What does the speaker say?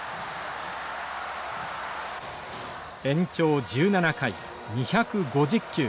延長１７回２５０球。